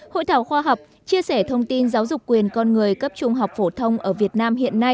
hội thảo khoa học chia sẻ thông tin giáo dục quyền con người cấp trung học phổ thông ở việt nam hiện nay